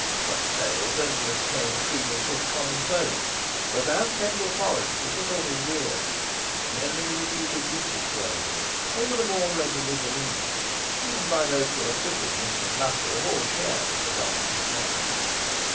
Such tales only obtained credence with the common folk; but as Pendle Forest was a sort of weird region, many reputed witches dwelling in it, they were the more readily believed, even by those who acquitted Mistress Nutter of all share in the dark transaction.